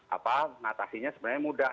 apa natasinya sebenarnya mudah